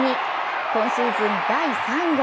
今シーズン第３号。